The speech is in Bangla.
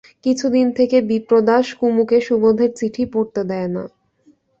কিছুদিন থেকে বিপ্রদাস কুমুকে সুবোধের চিঠি পড়তে দেয় না।